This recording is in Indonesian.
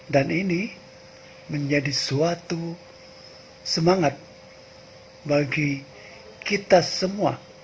dan ini menjadi suatu semangat bagi kita semua